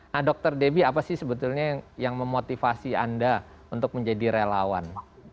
nah dr debbie apa sih sebetulnya yang memotivasi anda untuk menjadi relawan